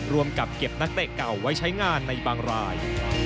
รวมกับเก็บนักเตะเก่าไว้ใช้งานในบางราย